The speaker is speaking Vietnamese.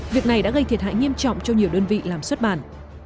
việc này đã gây thiệt hại nghiêm trọng cho nhiều đơn vị làm xuất bản